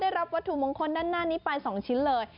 รับวัตถุมงคลด้านหน้านี้ไป๒ชิ้นเลย